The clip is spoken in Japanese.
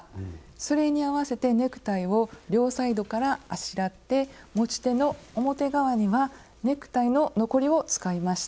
それに合わせてネクタイを両サイドからあしらって持ち手の表側にはネクタイの残りを使いました。